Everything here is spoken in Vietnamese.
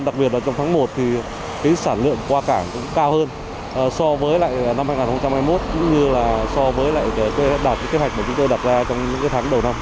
đặc biệt là trong tháng một thì sản lượng qua cảng cũng cao hơn so với lại năm hai nghìn hai mươi một cũng như là so với lại đạt kế hoạch mà chúng tôi đặt ra trong những tháng đầu năm